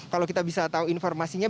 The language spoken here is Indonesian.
kalau kita bisa tahu informasinya